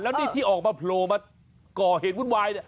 แล้วนี่ที่ออกมาโผล่มาก่อเหตุวุ่นวายเนี่ย